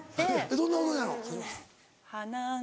どんな踊りなの？